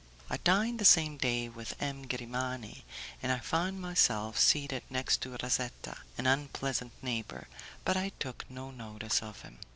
I dined the same day with M. Grimani, and I found myself seated next to Razetta an unpleasant neighbour, but I took no notice of him.